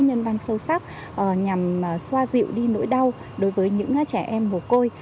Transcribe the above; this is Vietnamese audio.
nhân văn sâu sắc nhằm xoa dịu đi nỗi đau đối với những trẻ em mồ côi